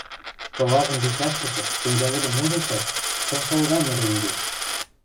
кыважын лицӓштӹжӹ сӹнзӓвӹдӹм ужешат, тылшол гань ӹрен кеш.